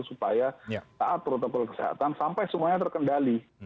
supaya taat protokol kesehatan sampai semuanya terkendali